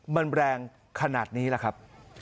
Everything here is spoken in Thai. มันแรงขนาดนี้ล่ะครับ